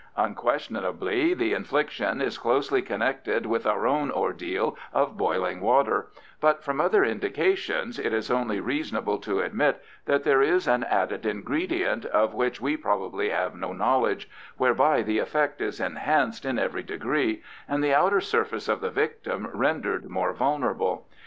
Unquestionably the infliction is closely connected with our own ordeal of boiling water, but from other indications it is only reasonable to admit that there is an added ingredient, of which we probably have no knowledge, whereby the effect is enhanced in every degree, and the outer surface of the victim rendered more vulnerable.